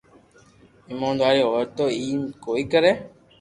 ايموندار ھوئي تو ايم ڪوئي ڪري